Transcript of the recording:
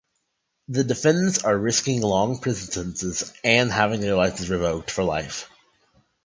The defendants are risking long prison sentences and having their licenses revoked for life.